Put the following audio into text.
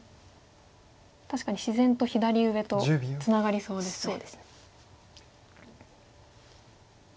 確かに自然と左上とツナがりそうですね。